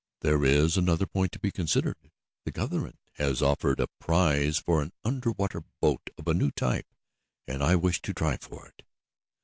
There is another point to be considered. The government has offered a prize for an under water boat of a new type, and I wish to try for it."